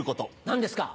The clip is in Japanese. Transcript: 何ですか？